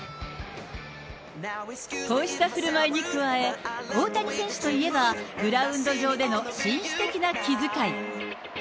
こうしたふるまいに加え、大谷選手といえば、グラウンド上での紳士的な気遣い。